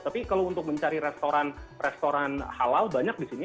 tapi kalau untuk mencari restoran restoran halal banyak di sini